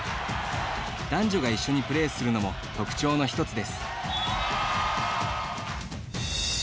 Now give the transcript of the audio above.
男女が一緒にプレーするのも特徴の１つです。